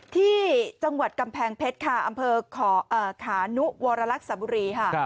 ที่จังหวัดกำแพงเพชรค่ะอำเภอขานุวรรลักษบุรีค่ะ